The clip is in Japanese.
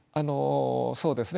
そうですね。